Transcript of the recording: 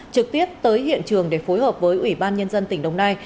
trực tiếp tới hiện trường để phối hợp với ủy ban nhân dân tỉnh đồng nai